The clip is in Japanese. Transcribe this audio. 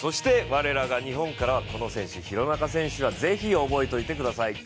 我らが日本からは廣中選手はぜひ覚えておいてください。